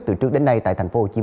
từ trước đến nay tại tp hcm